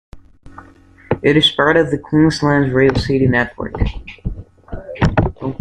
It is part of the Queensland Rail City network.